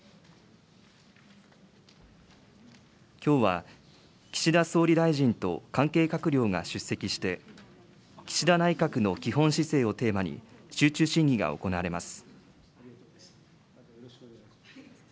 きょうは岸田総理大臣と関係閣僚が出席して、岸田内閣の基本姿勢をテーマに集中審議が行われます。